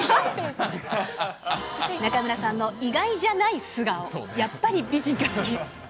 中村さんの意外じゃない素顔、やっぱり美人が好き。